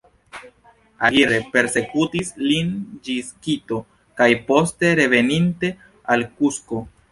Aguirre persekutis lin ĝis Kito kaj poste, reveninte, al Kusko.